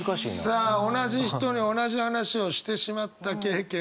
さあ同じ人に同じ話をしてしまった経験